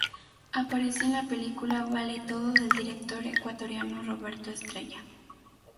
Aparece en la película "Vale Todo" del director ecuatoriano Roberto Estrella.